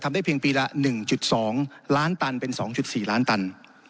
ทำได้เพียงปีละหนึ่งจุดสองล้านตันเป็นสองจุดสี่ล้านตัน